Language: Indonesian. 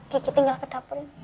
gigi tinggal ke dapurnya